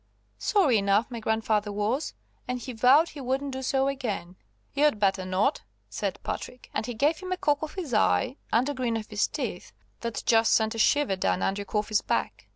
Sorry enough my grandfather was, and he vowed he wouldn't do so again. "You'd better not," said Patrick, and he gave him a cock of his eye, and a grin of his teeth, that just sent a shiver down Andrew Coffey's back.